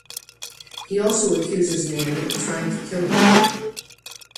He also accuses Nanny of trying to kill him.